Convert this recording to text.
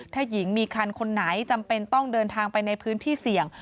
ถ้าหญิงมีคันคนไหนจำเป็นต้องเดินทางไปในพื้นที่เสี่ยง